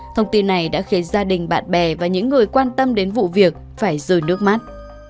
thông tin này đã khiến gia đình bạn bè và những người quan tâm đến vụ việc phải rời nước mắt